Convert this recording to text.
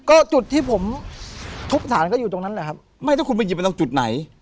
ก็จุดที่ผมทุบสารก็อยู่ตรงนั้นแหละครับไม่ถ้าคุณไปหยิบไปตรงจุดไหน